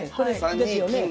ですよね。